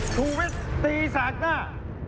ถูกวิทย์ตีสักหน้า